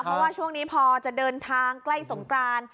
เพราะว่าช่วงนี้พอจะเดินทางใกล้สงกราน